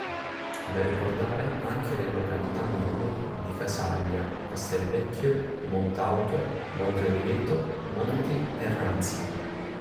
Da ricordare anche le località minori di Casaglia, Castelvecchio, Montauto, Monteoliveto, Monti e Ranza.